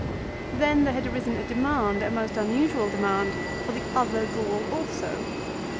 Then there had arisen a demand, a most unusual demand, for the other Gaul also.